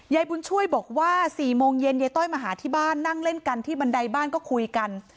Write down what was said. ยายบุญช่วยบอกว่า๔โมงเย็นยายต้อยมาหาที่บ้านนั่งเล่นกันที่บันไดบ้านก็คุยกัน